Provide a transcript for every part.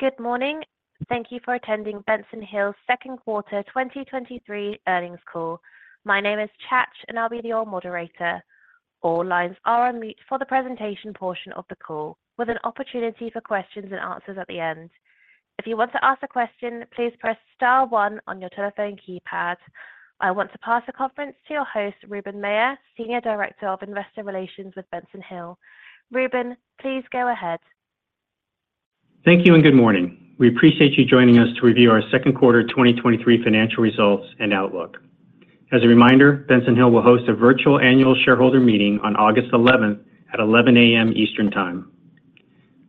Good morning. Thank you for attending Benson Hill's second quarter 2023 earnings call. My name is Chach, and I'll be your moderator. All lines are on mute for the presentation portion of the call, with an opportunity for questions and answers at the end. If you want to ask a question, please press star one on your telephone keypad. I want to pass the conference to your host, Ruben Mella, Senior Director of Investor Relations with Benson Hill. Ruben, please go ahead. Thank you. Good morning. We appreciate you joining us to review our second quarter 2023 financial results and outlook. As a reminder, Benson Hill will host a virtual annual shareholder meeting on August 11th at 11:00 A.M. Eastern Time.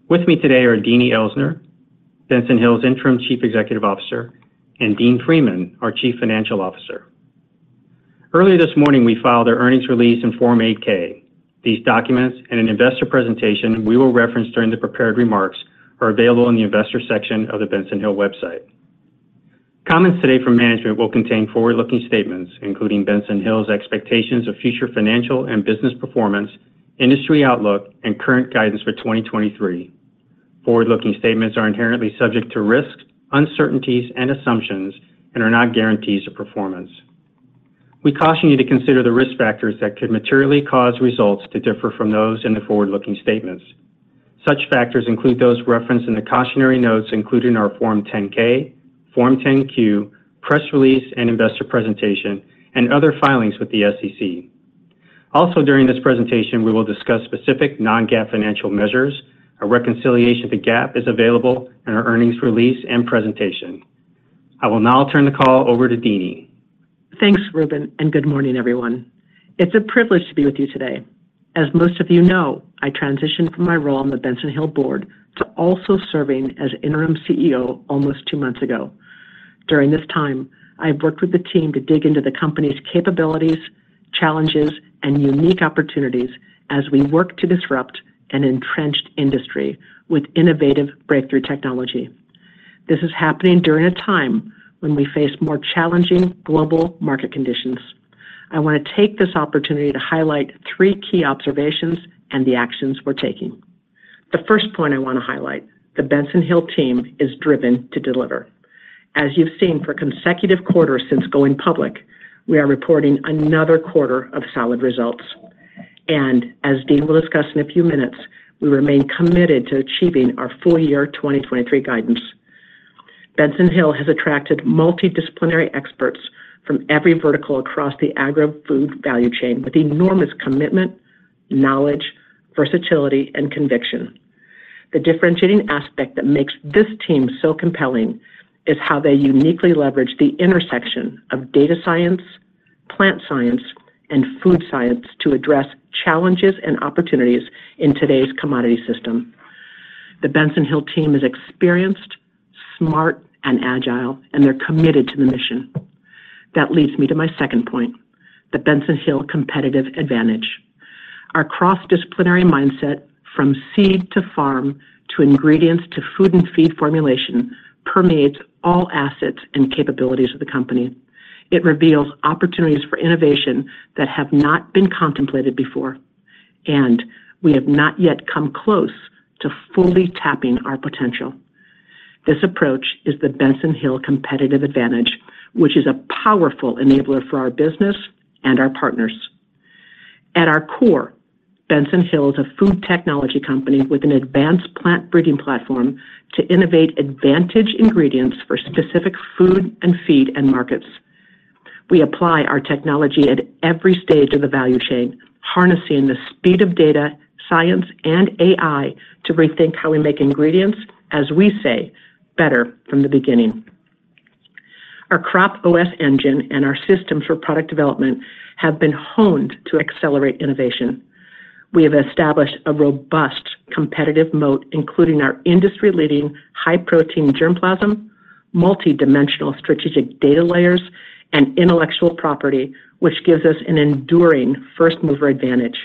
With me today are Deanie Elsner, Benson Hill's Interim Chief Executive Officer, and Dean Freeman, our Chief Financial Officer. Earlier this morning, we filed our earnings release and Form 8-K. These documents and an investor presentation we will reference during the prepared remarks are available in the investor section of the Benson Hill website. Comments today from management will contain forward-looking statements, including Benson Hill's expectations of future financial and business performance, industry outlook, and current guidance for 2023. Forward-looking statements are inherently subject to risks, uncertainties and assumptions and are not guarantees of performance. We caution you to consider the risk factors that could materially cause results to differ from those in the forward-looking statements. Such factors include those referenced in the cautionary notes, including our Form 10-K, Form 10-Q, press release and investor presentation, and other filings with the SEC. During this presentation, we will discuss specific non-GAAP financial measures. A reconciliation to GAAP is available in our earnings release and presentation. I will now turn the call over to Deanie. Thanks, Ruben, and good morning, everyone. It's a privilege to be with you today. As most of you know, I transitioned from my role on the Benson Hill board to also serving as interim CEO almost two months ago. During this time, I have worked with the team to dig into the company's capabilities, challenges, and unique opportunities as we work to disrupt an entrenched industry with innovative breakthrough technology. This is happening during a time when we face more challenging global market conditions. I want to take this opportunity to highlight three key observations and the actions we're taking. The first point I want to highlight, the Benson Hill team is driven to deliver. As you've seen for consecutive quarters since going public, we are reporting another quarter of solid results, and as Dean will discuss in a few minutes, we remain committed to achieving our full year 2023 guidance. Benson Hill has attracted multidisciplinary experts from every vertical across the agri-food value chain with enormous commitment, knowledge, versatility, and conviction. The differentiating aspect that makes this team so compelling is how they uniquely leverage the intersection of data science, plant science, and food science to address challenges and opportunities in today's commodity system. The Benson Hill team is experienced, smart, and agile, and they're committed to the mission. That leads me to my second point, the Benson Hill competitive advantage. Our cross-disciplinary mindset, from seed to farm, to ingredients, to food and feed formulation, permeates all assets and capabilities of the company. It reveals opportunities for innovation that have not been contemplated before, and we have not yet come close to fully tapping our potential. This approach is the Benson Hill competitive advantage, which is a powerful enabler for our business and our partners. At our core, Benson Hill is a food technology company with an advanced plant breeding platform to innovate advantage ingredients for specific food and feed end markets. We apply our technology at every stage of the value chain, harnessing the speed of data, science, and AI to rethink how we make ingredients, as we say, better from the beginning. Our CropOS engine and our system for product development have been honed to accelerate innovation. We have established a robust competitive moat, including our industry-leading high-protein germplasm, multidimensional strategic data layers, and intellectual property, which gives us an enduring first-mover advantage.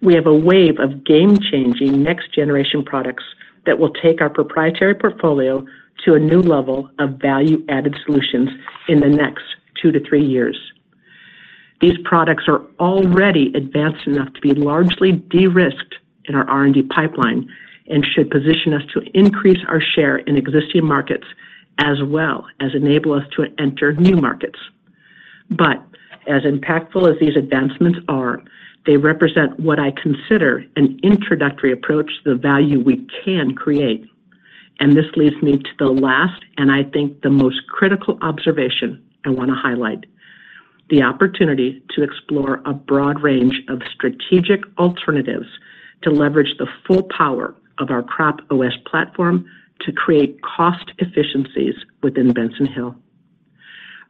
We have a wave of game-changing, next-generation products that will take our proprietary portfolio to a new level of value-added solutions in the next two to three years. These products are already advanced enough to be largely de-risked in our R&D pipeline and should position us to increase our share in existing markets, as well as enable us to enter new markets. As impactful as these advancements are, they represent what I consider an introductory approach to the value we can create. This leads me to the last, and I think the most critical observation I want to highlight: the opportunity to explore a broad range of strategic alternatives to leverage the full power of our CropOS platform to create cost efficiencies within Benson Hill.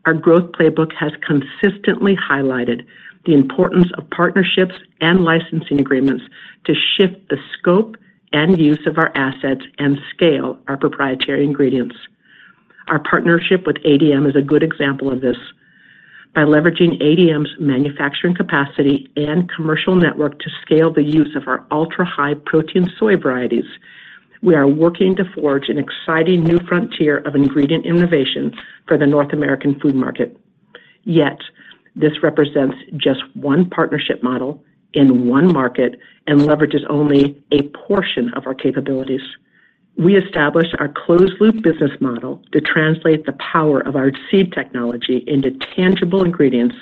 Our growth playbook has consistently highlighted the importance of partnerships and licensing agreements to shift the scope and use of our assets and scale our proprietary ingredients. Our partnership with ADM is a good example of this. By leveraging ADM's manufacturing capacity and commercial network to scale the use of our ultra-high protein soy varieties, we are working to forge an exciting new frontier of ingredient innovation for the North American food market. Yet, this represents just one partnership model in one market and leverages only a portion of our capabilities. We established our closed-loop business model to translate the power of our seed technology into tangible ingredients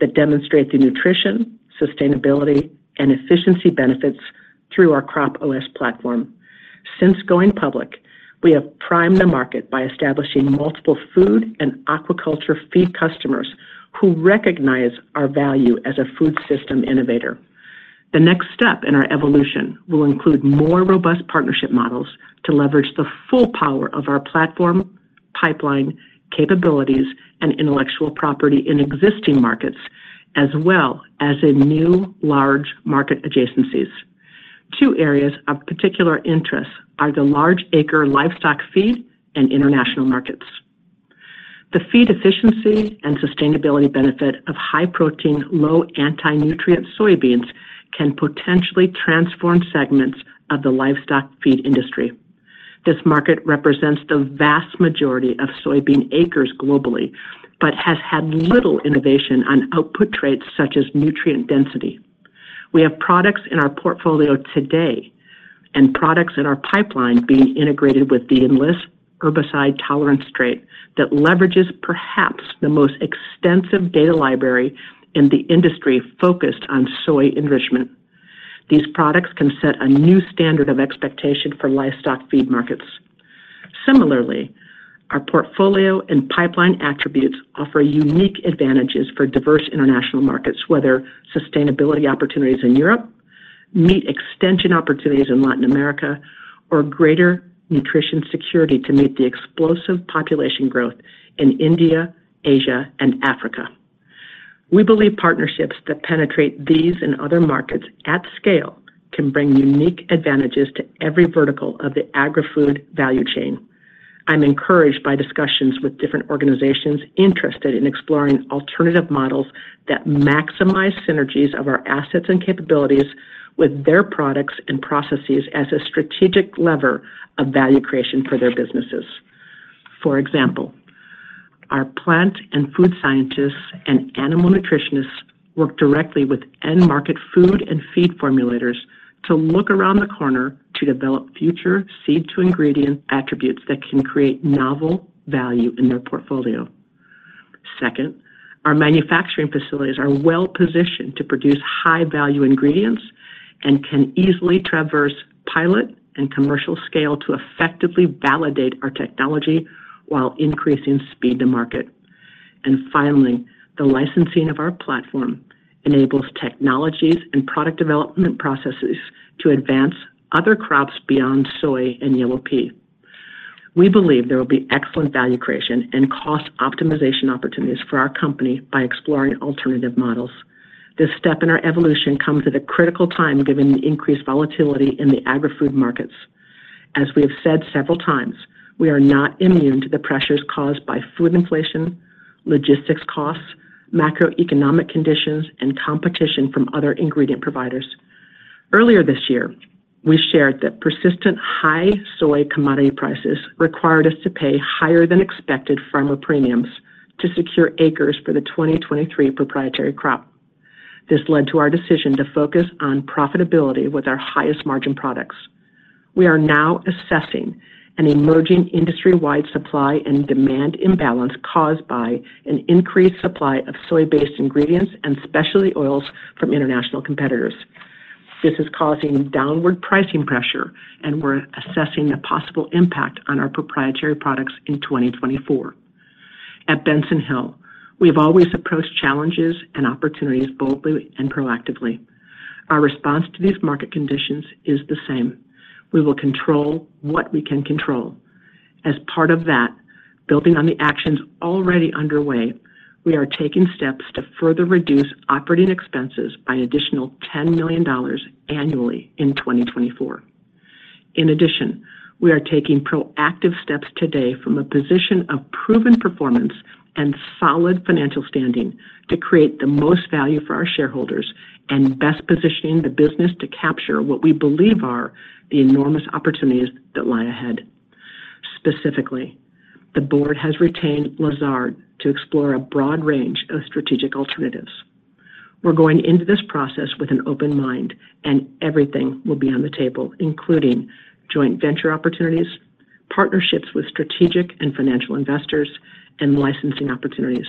that demonstrate the nutrition, sustainability, and efficiency benefits through our CropOS platform. Since going public, we have primed the market by establishing multiple food and aquaculture feed customers who recognize our value as a food system innovator. The next step in our evolution will include more robust partnership models to leverage the full power of our platform, pipeline, capabilities, and intellectual property in existing markets, as well as in new large market adjacencies. Two areas of particular interest are the large acre livestock feed and international markets. The feed efficiency and sustainability benefit of high-protein, low anti-nutrient soybeans can potentially transform segments of the livestock feed industry. This market represents the vast majority of soybean acres globally, but has had little innovation on output traits such as nutrient density. We have products in our portfolio today and products in our pipeline being integrated with the Enlist herbicide tolerance trait that leverages perhaps the most extensive data library in the industry focused on soy enrichment. These products can set a new standard of expectation for livestock feed markets. Similarly, our portfolio and pipeline attributes offer unique advantages for diverse international markets, whether sustainability opportunities in Europe, meat extension opportunities in Latin America, or greater nutrition security to meet the explosive population growth in India, Asia, and Africa. We believe partnerships that penetrate these and other markets at scale can bring unique advantages to every vertical of the agri-food value chain. I'm encouraged by discussions with different organizations interested in exploring alternative models that maximize synergies of our assets and capabilities with their products and processes as a strategic lever of value creation for their businesses. For example, our plant and food scientists and animal nutritionists work directly with end market food and feed formulators to look around the corner to develop future seed to ingredient attributes that can create novel value in their portfolio. Second, our manufacturing facilities are well-positioned to produce high-value ingredients and can easily traverse pilot and commercial scale to effectively validate our technology while increasing speed to market. Finally, the licensing of our platform enables technologies and product development processes to advance other crops beyond soy and yellow pea. We believe there will be excellent value creation and cost optimization opportunities for our company by exploring alternative models. This step in our evolution comes at a critical time, given the increased volatility in the agri-food markets. As we have said several times, we are not immune to the pressures caused by food inflation, logistics costs, macroeconomic conditions, and competition from other ingredient providers. Earlier this year, we shared that persistent high soy commodity prices required us to pay higher than expected farmer premiums to secure acres for the 2023 proprietary crop. This led to our decision to focus on profitability with our highest margin products. We are now assessing an emerging industry-wide supply and demand imbalance caused by an increased supply of soy-based ingredients and specialty oils from international competitors. This is causing downward pricing pressure. We're assessing a possible impact on our proprietary products in 2024. At Benson Hill, we have always approached challenges and opportunities boldly and proactively. Our response to these market conditions is the same: we will control what we can control. As part of that, building on the actions already underway, we are taking steps to further reduce operating expenses by an additional $10 million annually in 2024. In addition, we are taking proactive steps today from a position of proven performance and solid financial standing to create the most value for our shareholders and best positioning the business to capture what we believe are the enormous opportunities that lie ahead. Specifically, the board has retained Lazard to explore a broad range of strategic alternatives. We're going into this process with an open mind and everything will be on the table, including joint venture opportunities, partnerships with strategic and financial investors, and licensing opportunities.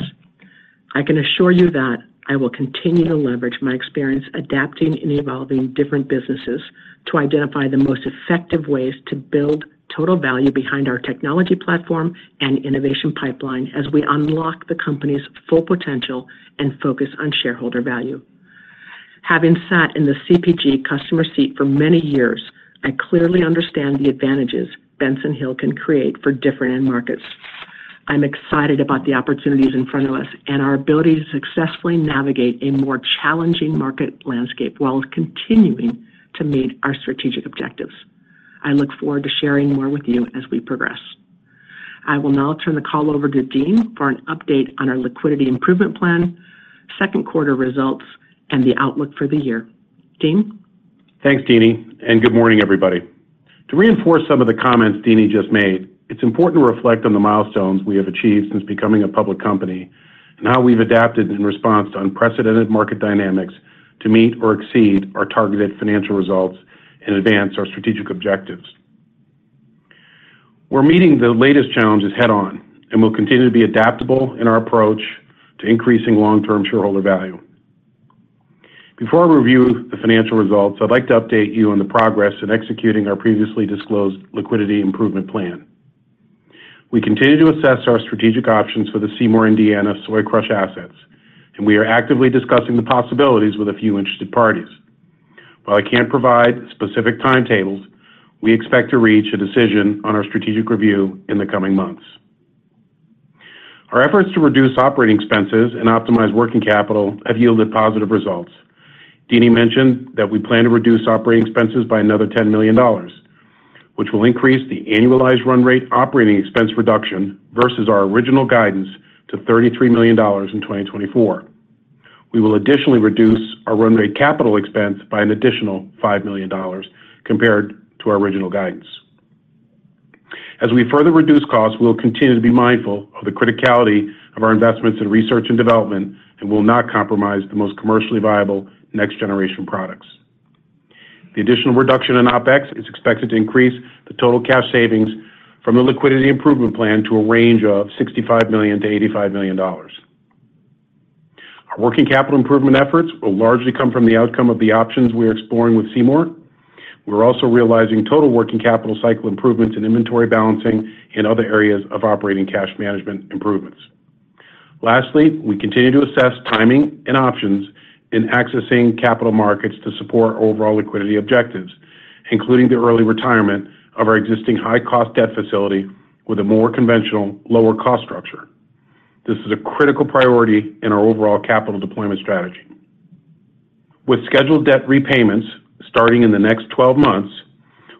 I can assure you that I will continue to leverage my experience adapting and evolving different businesses to identify the most effective ways to build total value behind our technology platform and innovation pipeline as we unlock the company's full potential and focus on shareholder value. Having sat in the CPG customer seat for many years, I clearly understand the advantages Benson Hill can create for different end markets. I'm excited about the opportunities in front of us and our ability to successfully navigate a more challenging market landscape while continuing to meet our strategic objectives. I look forward to sharing more with you as we progress. I will now turn the call over to Dean for an update on our liquidity improvement plan, second quarter results and the outlook for the year. Dean? Thanks, Deanie, and good morning, everybody. To reinforce some of the comments Deanie just made, it's important to reflect on the milestones we have achieved since becoming a public company and how we've adapted in response to unprecedented market dynamics to meet or exceed our targeted financial results and advance our strategic objectives. We're meeting the latest challenges head-on, and we'll continue to be adaptable in our approach to increasing long-term shareholder value. Before I review the financial results, I'd like to update you on the progress in executing our previously disclosed liquidity improvement plan. We continue to assess our strategic options for the Seymour, Indiana, soy crush assets, and we are actively discussing the possibilities with a few interested parties. While I can't provide specific timetables, we expect to reach a decision on our strategic review in the coming months. Our efforts to reduce operating expenses and optimize working capital have yielded positive results. Deanie mentioned that we plan to reduce operating expenses by another $10 million, which will increase the annualized run rate operating expense reduction versus our original guidance to $33 million in 2024. We will additionally reduce our run rate capital expense by an additional $5 million compared to our original guidance. As we further reduce costs, we will continue to be mindful of the criticality of our investments in research and development and will not compromise the most commercially viable next-generation products. The additional reduction in OpEx is expected to increase the total cash savings from the liquidity improvement plan to a range of $65 million-$85 million. Our working capital improvement efforts will largely come from the outcome of the options we are exploring with Seymour. We're also realizing total working capital cycle improvements in inventory balancing and other areas of operating cash management improvements. Lastly, we continue to assess timing and options in accessing capital markets to support overall liquidity objectives, including the early retirement of our existing high-cost debt facility with a more conventional, lower cost structure. This is a critical priority in our overall capital deployment strategy. With scheduled debt repayments starting in the next 12 months,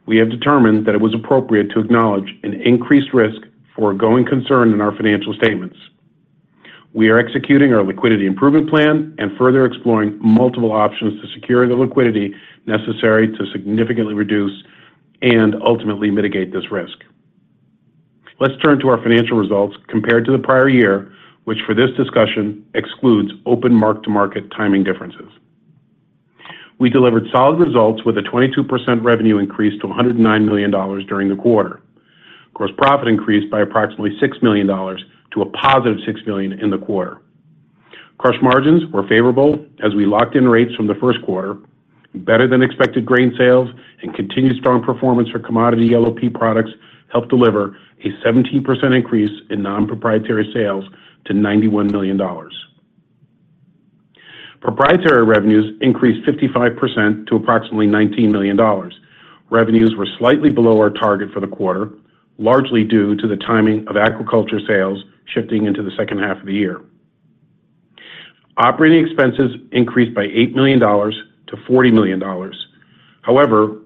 we have determined that it was appropriate to acknowledge an increased risk for a going concern in our financial statements. We are executing our liquidity improvement plan and further exploring multiple options to securing the liquidity necessary to significantly reduce and ultimately mitigate this risk. Let's turn to our financial results compared to the prior year, which, for this discussion, excludes open mark-to-market timing differences. We delivered solid results with a 22% revenue increase to $109 million during the quarter. Gross profit increased by approximately $6 million to a positive $6 million in the quarter. Crush margins were favorable as we locked in rates from the first quarter. Better than expected grain sales and continued strong performance for commodity LOP products helped deliver a 17% increase in non-proprietary sales to $91 million. Proprietary revenues increased 55% to approximately $19 million. Revenues were slightly below our target for the quarter, largely due to the timing of agriculture sales shifting into the second half of the year. Operating expenses increased by $8 million to $40 million.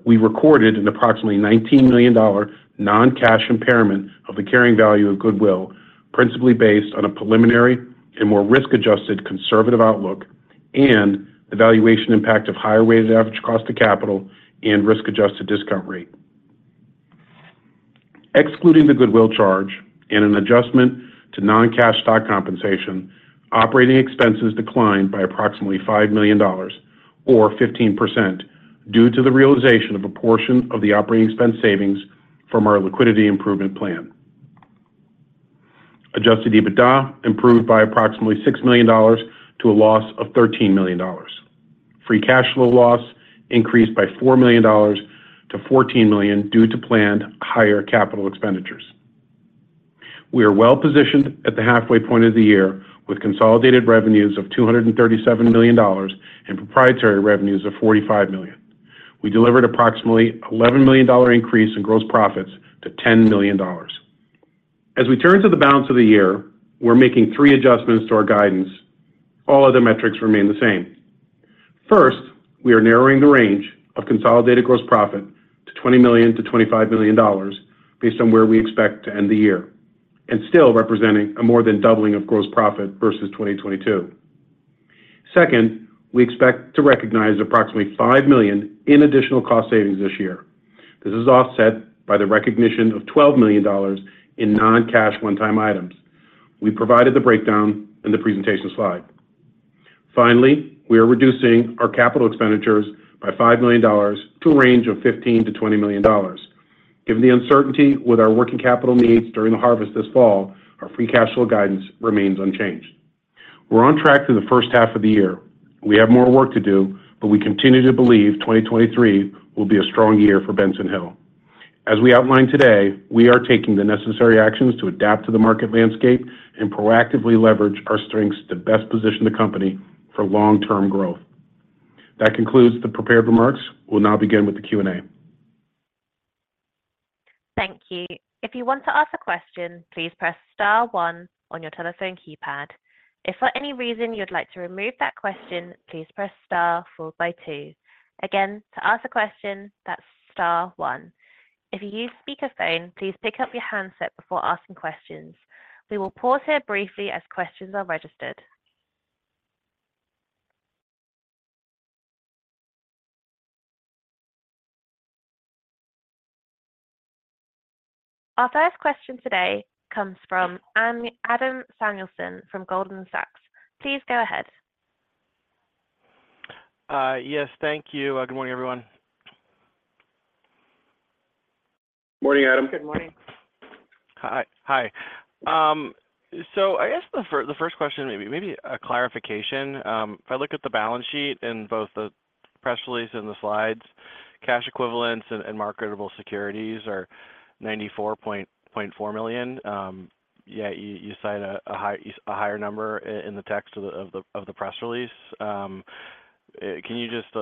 We recorded an approximately $19 million non-cash impairment of the carrying value of goodwill, principally based on a preliminary and more risk-adjusted conservative outlook and the valuation impact of higher weighted average cost of capital and risk-adjusted discount rate. Excluding the goodwill charge and an adjustment to non-cash stock compensation, operating expenses declined by approximately $5 million or 15% due to the realization of a portion of the operating expense savings from our liquidity improvement plan. Adjusted EBITDA improved by approximately $6 million to a loss of $13 million. Free cash flow loss increased by $4 million to $14 million due to planned higher capital expenditures. We are well-positioned at the halfway point of the year with consolidated revenues of $237 million and proprietary revenues of $45 million. We delivered approximately $11 million increase in gross profits to $10 million. As we turn to the balance of the year, we're making three adjustments to our guidance. All other metrics remain the same. First, we are narrowing the range of consolidated gross profit to $20 million-$25 million based on where we expect to end the year, and still representing a more than doubling of gross profit versus 2022. Second, we expect to recognize approximately $5 million in additional cost savings this year. This is offset by the recognition of $12 million in non-cash one-time items. We provided the breakdown in the presentation slide. Finally, we are reducing our capital expenditures by $5 million to a range of $15 million-$20 million. Given the uncertainty with our working capital needs during the harvest this fall, our free cash flow guidance remains unchanged. We're on track for the first half of the year. We have more work to do, we continue to believe 2023 will be a strong year for Benson Hill. As we outlined today, we are taking the necessary actions to adapt to the market landscape and proactively leverage our strengths to best position the company for long-term growth. That concludes the prepared remarks. We'll now begin with the Q&A. Thank you. If you want to ask a question, please press star one on your telephone keypad. If for any reason you'd like to remove that question, please press star followed by two. Again, to ask a question, that's star one. If you use speakerphone, please pick up your handset before asking questions. We will pause here briefly as questions are registered. Our first question today comes from Adam Samuelson from Goldman Sachs. Please go ahead. Yes, thank you. Good morning, everyone. Morning, Adam. Good morning. Hi. Hi. I guess the fir- the first question, maybe, maybe a clarification. If I look at the balance sheet in both the press release and the slides, cash equivalents and marketable securities are $94.4 million. Yet you, you cite a, a high- a higher number i-in the text of the, of the, of the press release. Can you just,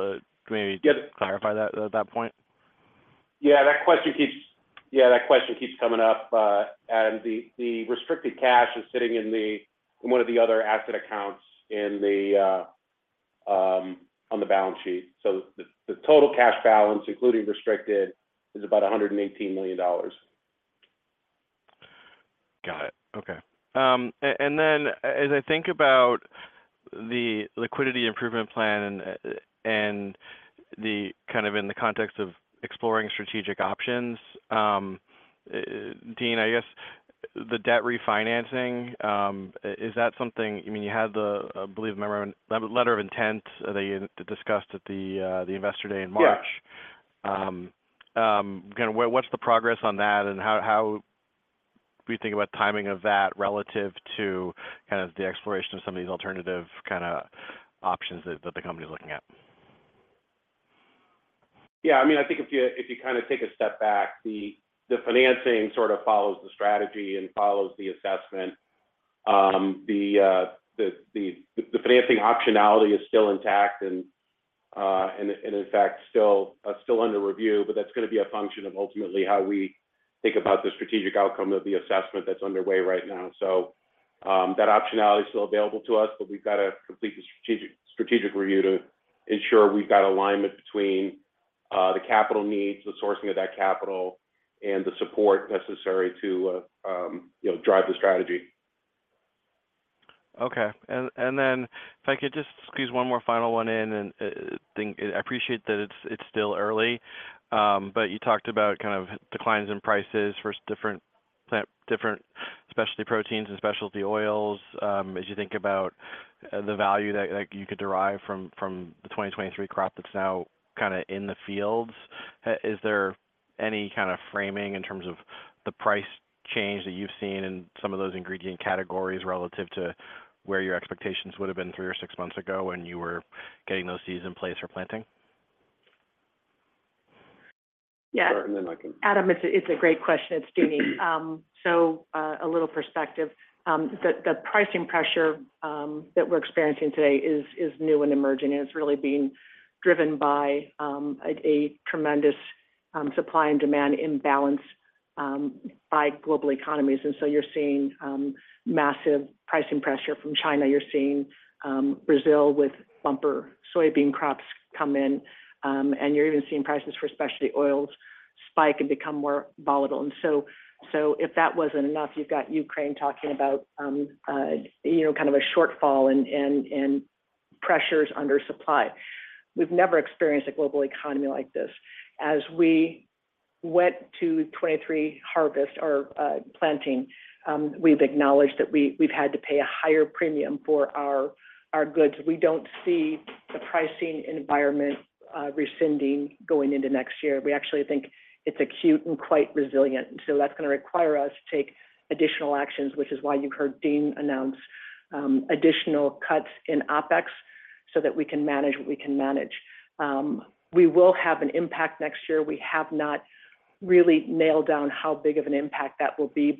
maybe- Yeah - clarify that, that point? Yeah, that question keeps coming up. The, the restricted cash is sitting in the, in one of the other asset accounts in the, on the balance sheet. So the, the total cash balance, including restricted, is about $118 million. Got it. Okay. As I think about the liquidity improvement plan and the kind of in the context of exploring strategic options, Dean, I guess the debt refinancing, is that something? I mean, you had the, I believe, letter of intent that you discussed at the Investor Day in March. Yeah. kind of what, what's the progress on that? How, how do you think about timing of that relative to kind of the exploration of some of these alternative kind of options that, that the company is looking at? I mean, I think if you, if you kind of take a step back, the, the financing sort of follows the strategy and follows the assessment. The, the, the, the financing optionality is still intact and, and in fact, still, still under review, but that's gonna be a function of ultimately how we think about the strategic outcome of the assessment that's underway right now. That optionality is still available to us, but we've got to complete the strategic, strategic review to ensure we've got alignment between, the capital needs, the sourcing of that capital, and the support necessary to, you know, drive the strategy. Okay. Then if I could just squeeze one more final one in, and thing... I appreciate that it's, it's still early, but you talked about kind of declines in prices for different plant- different specialty proteins and specialty oils. As you think about, the value that, like, you could derive from, from the 2023 crop that's now kind of in the fields, is there any kind of framing in terms of the price change that you've seen in some of those ingredient categories relative to where your expectations would have been three or six months ago when you were getting those seeds in place for planting? Yeah. Sure, and then I. Adam, it's a, it's a great question. It's Deanie. So, a little perspective. The, the pricing pressure that we're experiencing today is, is new and emerging, and it's really being driven by a, a tremendous supply and demand imbalance by global economies. You're seeing massive pricing pressure from China. You're seeing Brazil with bumper soybean crops come in, and you're even seeing prices for specialty oils spike and become more volatile. So, if that wasn't enough, you've got Ukraine talking about, you know, kind of a shortfall and, and, and pressures under supply. We've never experienced a global economy like this. As we went to 2023 harvest or planting, we've acknowledged that we- we've had to pay a higher premium for our, our goods. We don't see the pricing environment rescinding going into next year. We actually think it's acute and quite resilient, that's gonna require us to take additional actions, which is why you heard Dean announce additional cuts in OpEx, so that we can manage what we can manage. We will have an impact next year. We have not really nailed down how big of an impact that will be,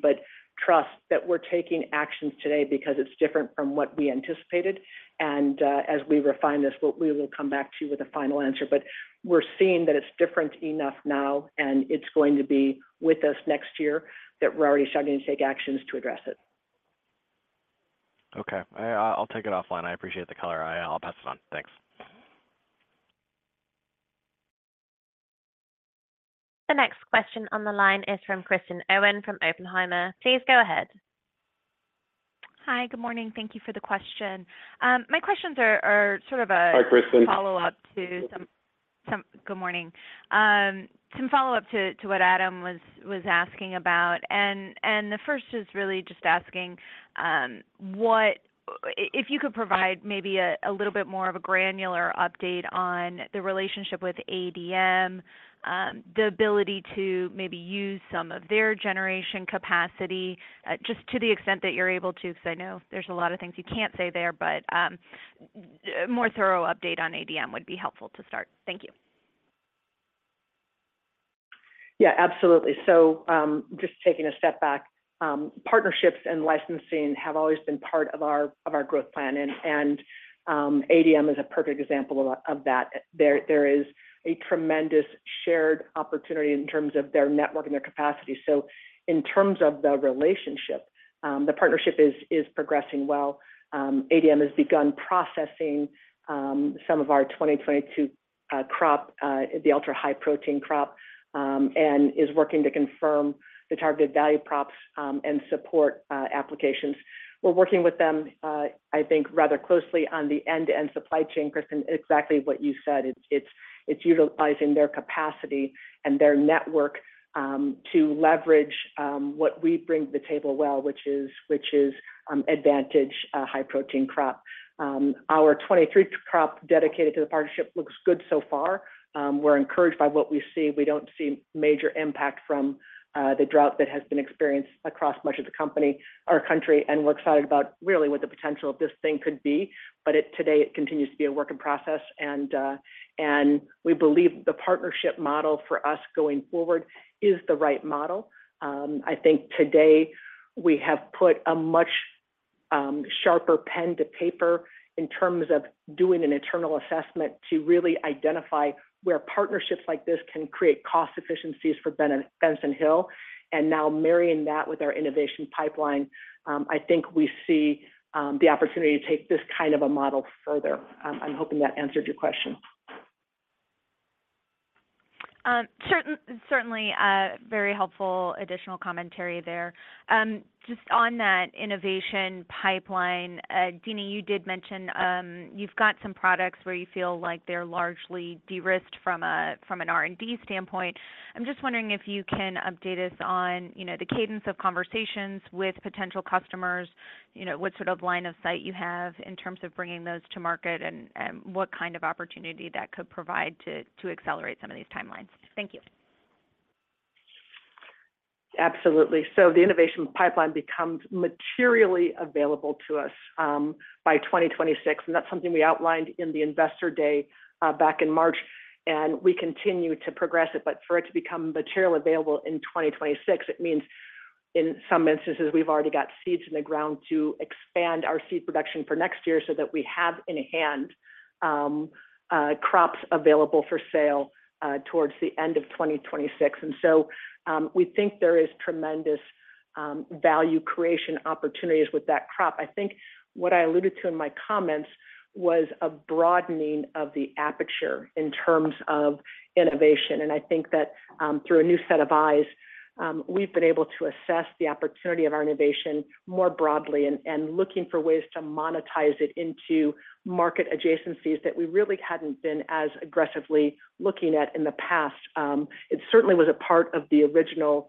trust that we're taking actions today because it's different from what we anticipated. As we refine this, we will come back to you with a final answer. We're seeing that it's different enough now, and it's going to be with us next year, that we're already starting to take actions to address it. Okay, I'll take it offline. I appreciate the color. I'll pass it on. Thanks. The next question on the line is from Kristen Owen from Oppenheimer. Please go ahead. Hi, good morning. Thank you for the question. My questions are. Hi, Kristen - follow-up to some. Good morning. Some follow-up to what Adam was asking about. The first is really just asking if you could provide maybe a little bit more of a granular update on the relationship with ADM, the ability to maybe use some of their generation capacity, just to the extent that you're able to, because I know there's a lot of things you can't say there, but more thorough update on ADM would be helpful to start. Thank you. Yeah, absolutely. Just taking a step back, partnerships and licensing have always been part of our growth plan, and ADM is a perfect example of that. There is a tremendous shared opportunity in terms of their network and their capacity. In terms of the relationship, the partnership is progressing well. ADM has begun processing some of our 2022 crop, the ultra-high protein crop, and is working to confirm the targeted value props and support applications. We're working with them, I think, rather closely on the end-to-end supply chain, Kristin, exactly what you said. It's utilizing their capacity and their network to leverage what we bring to the table well, which is advantage high protein crop. Our 2023 crop dedicated to the partnership looks good so far. We're encouraged by what we see. We don't see major impact from the drought that has been experienced across much of our country, and we're excited about really what the potential of this thing could be. But today, it continues to be a work in process, and we believe the partnership model for us going forward is the right model. I think today we have put a much sharper pen to paper in terms of doing an internal assessment to really identify where partnerships like this can create cost efficiencies for Benson Hill, and now marrying that with our innovation pipeline, I think we see the opportunity to take this kind of a model further. I'm hoping that answered your question. Certainly, very helpful additional commentary there. Just on that innovation pipeline, Deanie, you did mention, you've got some products where you feel like they're largely de-risked from an R&D standpoint. I'm just wondering if you can update us on, you know, the cadence of conversations with potential customers, you know, what sort of line of sight you have in terms of bringing those to market, and what kind of opportunity that could provide to accelerate some of these timelines. Thank you. Absolutely. The innovation pipeline becomes materially available to us by 2026, and that's something we outlined in the Investor Day back in March, and we continue to progress it. For it to become materially available in 2026, it means, in some instances, we've already got seeds in the ground to expand our seed production for next year so that we have in hand crops available for sale towards the end of 2026. We think there is tremendous value creation opportunities with that crop. I think what I alluded to in my comments was a broadening of the aperture in terms of innovation. I think that, through a new set of eyes, we've been able to assess the opportunity of our innovation more broadly and, and looking for ways to monetize it into market adjacencies that we really hadn't been as aggressively looking at in the past. It certainly was a part of the original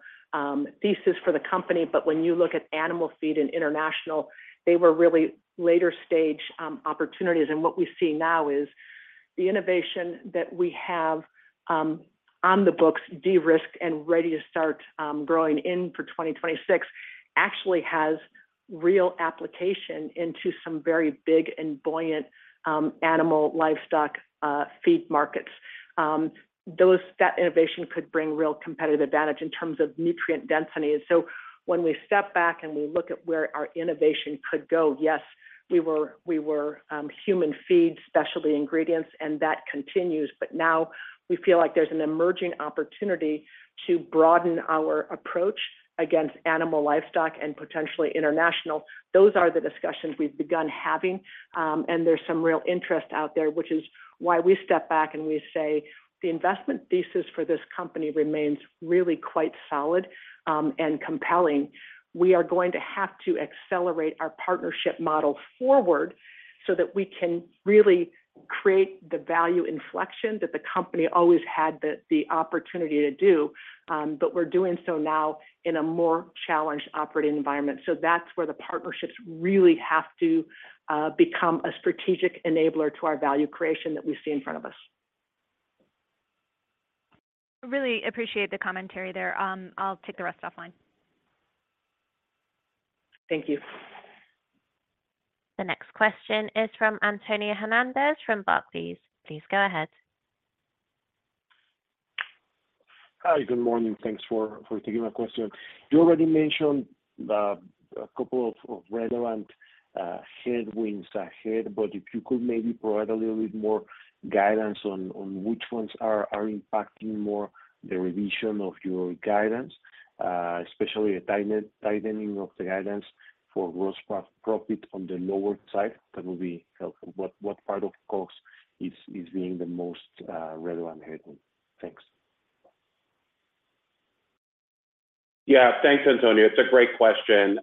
thesis for the company, but when you look at animal feed and international, they were really later stage opportunities. What we see now is the innovation that we have, on the books, de-risked and ready to start growing in for 2026, actually has real application into some very big and buoyant animal livestock feed markets. That innovation could bring real competitive advantage in terms of nutrient density. When we step back and we look at where our innovation could go, yes, we were, we were human feed, specialty ingredients, and that continues, but now we feel like there's an emerging opportunity to broaden our approach against animal livestock and potentially international. Those are the discussions we've begun having, and there's some real interest out there, which is why we step back and we say, "The investment thesis for this company remains really quite solid and compelling." We are going to have to accelerate our partnership model forward, so that we can really create the value inflection that the company always had the opportunity to do. We're doing so now in a more challenged operating environment. That's where the partnerships really have to become a strategic enabler to our value creation that we see in front of us. I really appreciate the commentary there. I'll take the rest offline. Thank you. The next question is from Antonio Hernandez from Barclays. Please go ahead. Hi, good morning. Thanks for taking my question. You already mentioned the a couple of relevant headwinds ahead, but if you could maybe provide a little bit more guidance on which ones are impacting more the revision of your guidance, especially a tightening of the guidance for gross profit on the lower side, that will be helpful. What part of costs is being the most relevant headwind? Thanks. Yeah. Thanks, Antonio. It's a great question.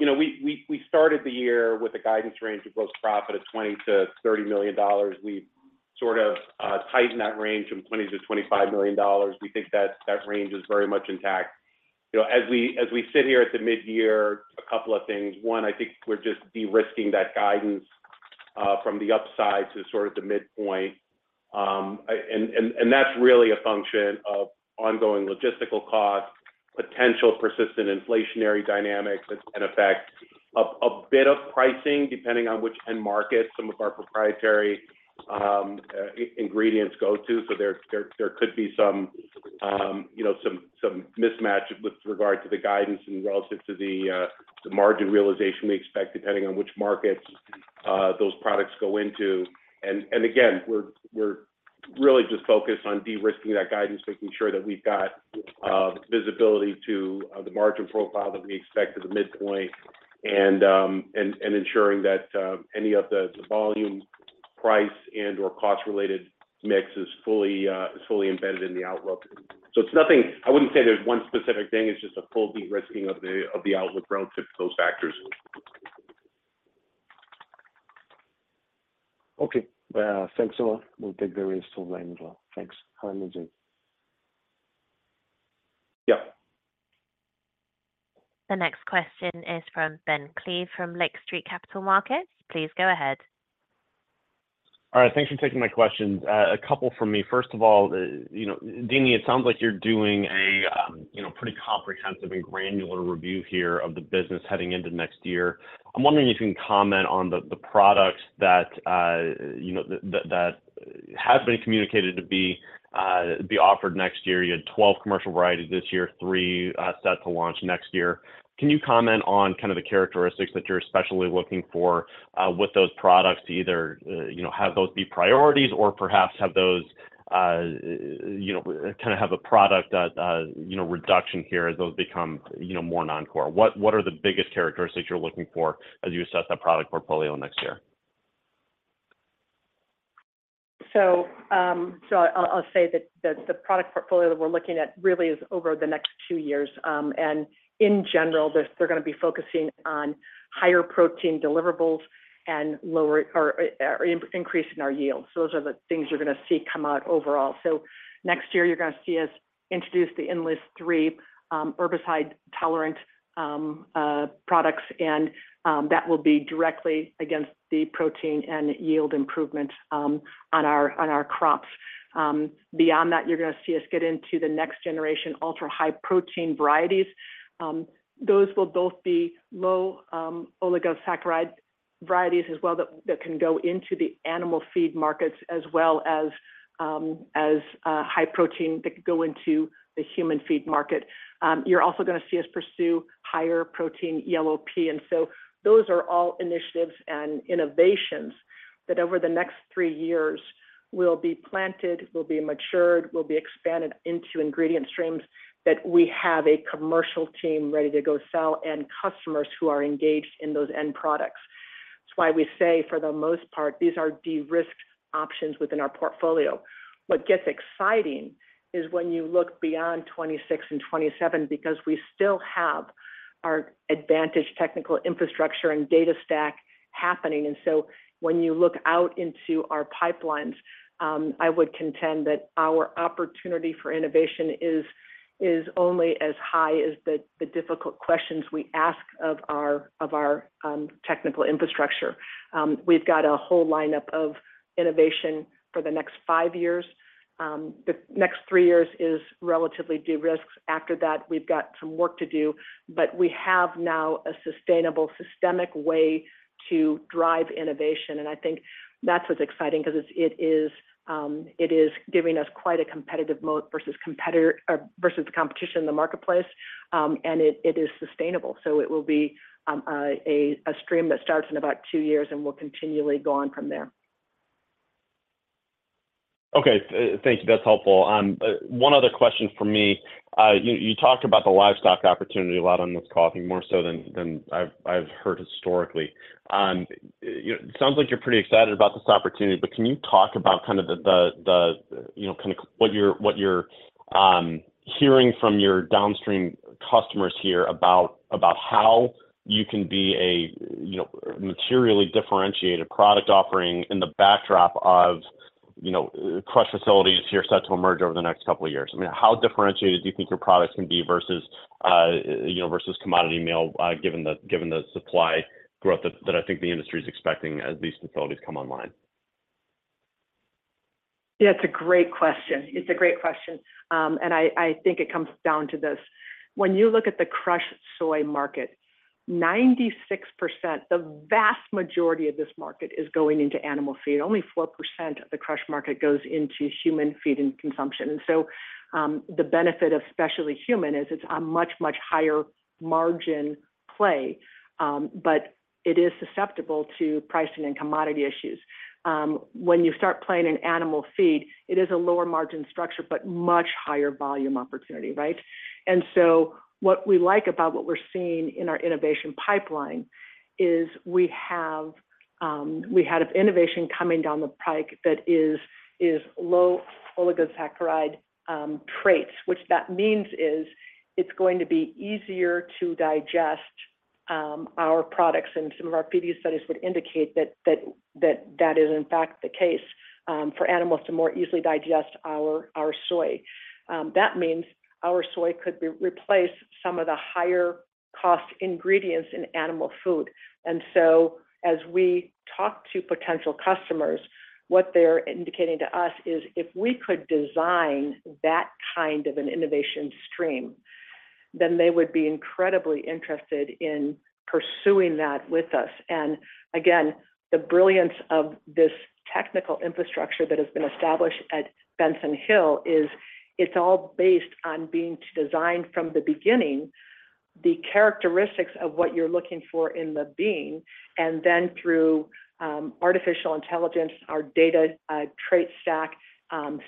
You know, we, we, we started the year with a guidance range of gross profit of $20 million-$30 million. We've sort of tightened that range from $20 million-$25 million. We think that, that range is very much intact. You know, as we, as we sit here at the midyear, a couple of things. One, I think we're just de-risking that guidance from the upside to sort of the midpoint. That's really a function of ongoing logistical costs, potential persistent inflationary dynamics that can affect a bit of pricing, depending on which end market some of our proprietary ingredients go to. There, there, there could be some, you know, some, some mismatch with regard to the guidance and relative to the margin realization we expect, depending on which markets those products go into. Again, we're really just focused on de-risking that guidance, making sure that we've got visibility to the margin profile that we expect at the midpoint, and, and ensuring that any of the volume price and/or cost-related mix is fully embedded in the outlook. I wouldn't say there's one specific thing. It's just a full de-risking of the outlook relative to those factors. Okay. Well, thanks a lot. We'll take the rest online as well. Thanks. Have a nice day. Yep. The next question is from Ben Klieve, from Lake Street Capital Markets. Please go ahead. All right. Thanks for taking my questions. A couple from me. First of all, you know, Deanie, it sounds like you're doing a, you know, pretty comprehensive and granular review here of the business heading into next year. I'm wondering if you can comment on the, the products that, you know, that, that, that have been communicated to be offered next year. You had 12 commercial varieties this year, three set to launch next year. Can you comment on kind of the characteristics that you're especially looking for with those products to either, you know, have those be priorities or perhaps have those, you know, kinda have a product that, you know, reduction here as those become, you know, more non-core? What, what are the biggest characteristics you're looking for as you assess that product portfolio next year? I'll, I'll say that the, the product portfolio that we're looking at really is over the next two years. In general, they're, they're gonna be focusing on higher protein deliverables and lower or, or increase in our yields. Those are the things you're gonna see come out overall. Next year, you're gonna see us introduce the Enlist Three herbicide-tolerant products, that will be directly against the protein and yield improvement on our, on our crops. Beyond that, you're gonna see us get into the next generation ultra-high protein varieties. Those will both be low oligosaccharide varieties as well, that, that can go into the animal feed markets, as well as high protein that could go into the human feed market. You're also gonna see us pursue high-protein yellow pea, and so those are all initiatives and innovations that over the next three years will be planted, will be matured, will be expanded into ingredient streams, that we have a commercial team ready to go sell, and customers who are engaged in those end products. That's why we say, for the most part, these are de-risked options within our portfolio. What gets exciting is when you look beyond 2026 and 2027, because we still have our advantage, technical infrastructure and data stack happening. So when you look out into our pipelines, I would contend that our opportunity for innovation is only as high as the difficult questions we ask of our technical infrastructure. We've got a whole lineup of innovation for the next five years. The next three years is relatively de-risked. After that, we've got some work to do, but we have now a sustainable, systemic way to drive innovation. I think that's what's exciting 'cause it is giving us quite a competitive moat versus competition in the marketplace, and it is sustainable. It will be a stream that starts in about two years and will continually go on from there. Okay, thank you. That's helpful. One other question from me. You, you talked about the livestock opportunity a lot on this call, more so than, than I've, I've heard historically. You know, it sounds like you're pretty excited about this opportunity, but can you talk about kind of the, the, the, you know, kind of what you're, what you're, hearing from your downstream customers here about, about how you can be a, you know, materially differentiated product offering in the backdrop of, you know, crush facilities here set to emerge over the next couple of years? I mean, how differentiated do you think your products can be versus, you know, versus commodity meal, given the, given the supply growth that, that I think the industry is expecting as these facilities come online? Yeah, it's a great question. It's a great question. I, I think it comes down to this: when you look at the crushed soy market, 96%, the vast majority of this market is going into animal feed. Only 4% of the crush market goes into human feed and consumption. So the benefit, especially human, is it's a much, much higher margin play, but it is susceptible to pricing and commodity issues. When you start playing in animal feed, it is a lower margin structure, but much higher volume opportunity, right? So what we like about what we're seeing in our innovation pipeline is we have, we had an innovation coming down the pike that is, is low oligosaccharide traits. Which that means is, it's going to be easier to digest, our products, and some of our previous studies would indicate that that is in fact the case, for animals to more easily digest our, our soy. That means our soy could re-replace some of the higher-cost ingredients in animal food. So as we talk to potential customers, what they're indicating to us is, if we could design that kind of an innovation stream, then they would be incredibly interested in pursuing that with us. Again, the brilliance of this technical infrastructure that has been established at Benson Hill is it's all based on being designed from the beginning. the characteristics of what you're looking for in the bean, then through artificial intelligence, our data, trait stack,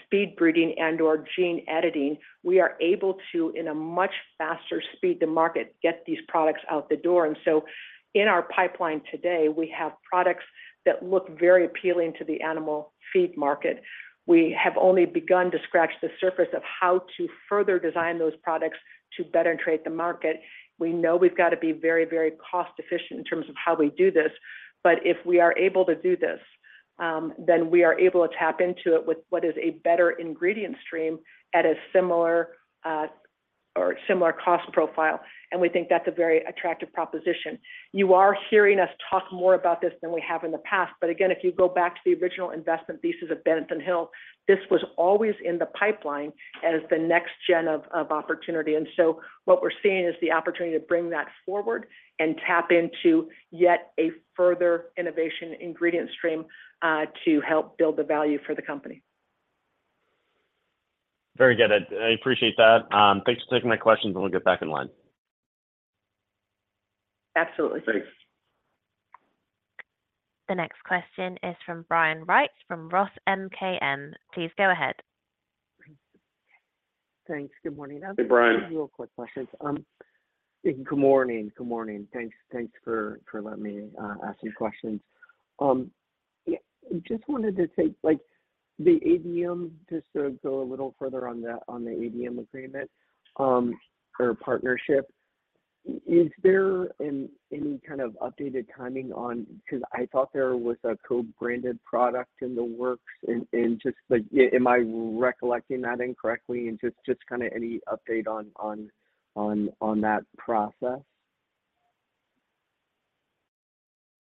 speed breeding, and/or gene editing, we are able to, in a much faster speed to market, get these products out the door. In our pipeline today, we have products that look very appealing to the animal feed market. We have only begun to scratch the surface of how to further design those products to better trait the market. We know we've got to be very, very cost efficient in terms of how we do this. If we are able to do this, then we are able to tap into it with what is a better ingredient stream at a similar or similar cost profile, and we think that's a very attractive proposition. You are hearing us talk more about this than we have in the past, but again, if you go back to the original investment thesis of Benson Hill, this was always in the pipeline as the next gen of opportunity. What we're seeing is the opportunity to bring that forward and tap into yet a further innovation ingredient stream to help build the value for the company. Very good. I, I appreciate that. Thanks for taking my questions, and we'll get back in line. Absolutely. Thanks. The next question is from Brian Wride from ROTH MKM. Please go ahead. Thanks. Good morning. Hey, Brian. Real quick questions. Good morning. Good morning. Thanks, thanks for, for letting me ask some questions. Just wanted to take, like, the ADM, just to go a little further on the ADM agreement, or partnership. Is there any kind of updated timing on... Because I thought there was a co-branded product in the works and, just like, am I recollecting that incorrectly? Just kind of any update on that process?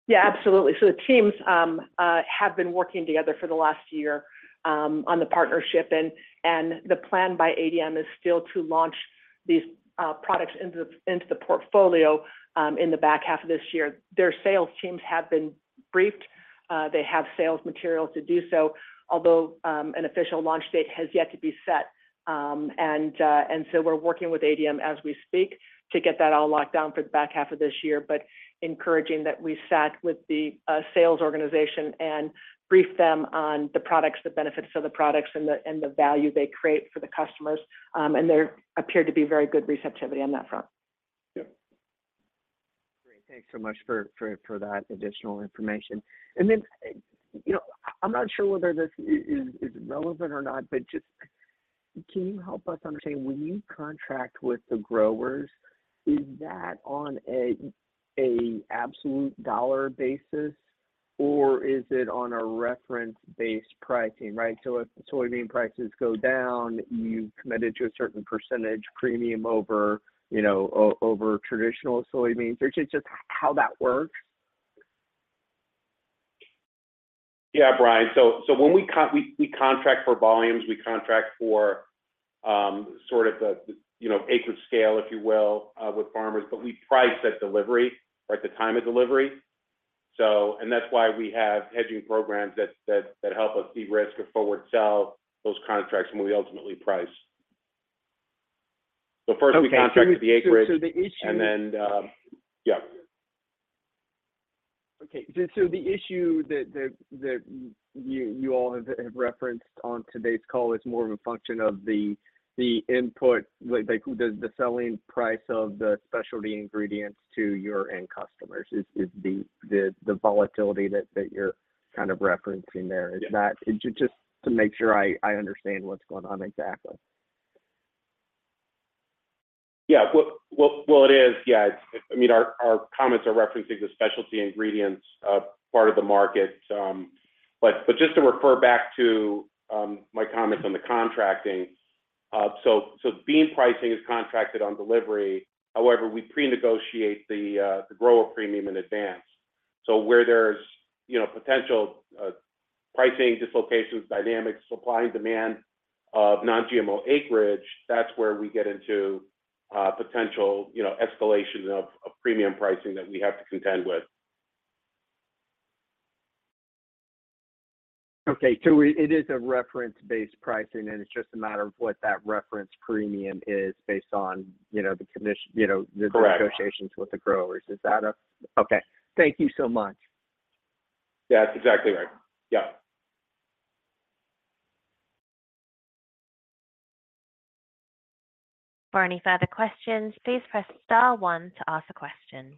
Yeah, absolutely. The teams have been working together for the last year on the partnership, and the plan by ADM is still to launch these products into the portfolio in the back half of this year. Their sales teams have been briefed. They have sales material to do so, although an official launch date has yet to be set. We're working with ADM as we speak to get that all locked down for the back half of this year. Encouraging that we sat with the sales organization and briefed them on the products, the benefits of the products, and the value they create for the customers. There appeared to be very good receptivity on that front. Yeah. Great. Thanks so much for, for, for that additional information. You know, I'm not sure whether this is, is relevant or not, but just can you help us understand, when you contract with the growers, is that on a, a absolute dollar basis, or is it on a reference-based pricing, right? So if soybean prices go down, you've committed to a certain percentage premium over, you know, o- over traditional soybeans. Or just, just how that works? Yeah, Brian. When we, we contract for volumes, we contract for, sort of the, the, you know, acreage scale, if you will, with farmers, but we price at delivery, at the time of delivery. That's why we have hedging programs that, that, that help us de-risk or forward sell those contracts when we ultimately price. Okay. first, we contract with the acreage- the issue- Then, Yeah. Okay. The issue that you all have referenced on today's call is more of a function of the input, like, the selling price of the specialty ingredients to your end customers. Is the volatility that you're kind of referencing there? Yeah Is that, just to make sure I, I understand what's going on exactly? Yeah. Well, well, well, it is, yeah. I mean, our, our comments are referencing the specialty ingredients part of the market. Just to refer back to my comments on the contracting, bean pricing is contracted on delivery. However, we pre-negotiate the grower premium in advance. Where there's, you know, potential pricing dislocations, dynamics, supply and demand of non-GMO acreage, that's where we get into potential, you know, escalation of premium pricing that we have to contend with. Okay. It, it is a reference-based pricing, and it's just a matter of what that reference premium is based on, you know, the condition, you know... Correct... the negotiations with the growers? Okay, thank you so much. That's exactly right. Yeah. For any further questions, please press star one to ask a question.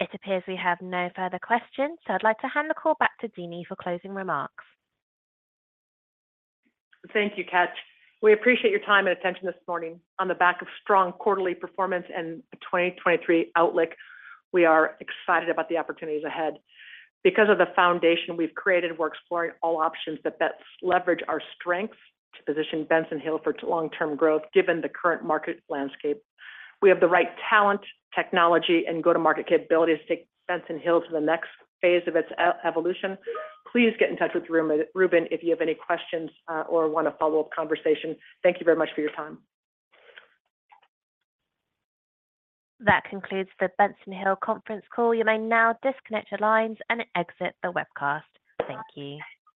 It appears we have no further questions. I'd like to hand the call back to Deanie for closing remarks. Thank you, Chach. We appreciate your time and attention this morning. On the back of strong quarterly performance and the 2023 outlook, we are excited about the opportunities ahead. Because of the foundation we've created, we're exploring all options that leverage our strengths to position Benson Hill for long-term growth, given the current market landscape. We have the right talent, technology, and go-to-market capabilities to take Benson Hill to the next phase of its evolution. Please get in touch with Ruben if you have any questions or want a follow-up conversation. Thank you very much for your time. That concludes the Benson Hill conference call. You may now disconnect your lines and exit the webcast. Thank you.